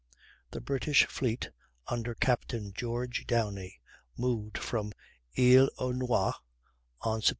The British fleet, under Captain George Downie, moved from Isle aux Noix on Sept.